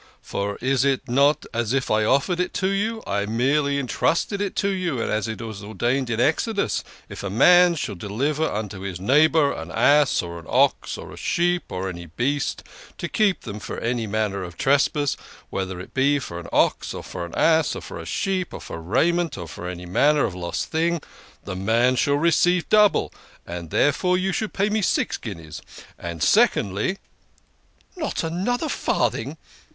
For it is not as if I offered it you I merely entrusted it to you, and it is ordained in Exodus that if a man shall deliver unto his neighbour an ass, or an ox, or a sheep, or any beast to keep, then for every matter of trespass, whether it be for ox, for ass, for sheep, for raiment, or for any manner of lost thing, the man shall receive double, and therefore you should pay me six guineas. And secondly " THE KING OF SCHNORRERS. 29 " Not another farthing